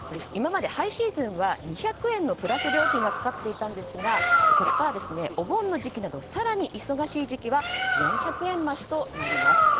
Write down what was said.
今までハイシーズンは２００円のプラス料金がかかっていたんですがここからお盆の時期など更に忙しい時期は４００円増しとなります。